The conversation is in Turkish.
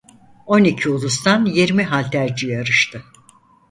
On iki ulustan yirmi halterci yarıştı.